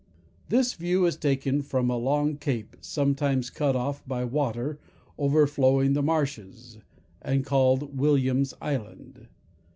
This view is taken from a long cape, sometimes cut off by water overflowing the marshes, and called William's Island.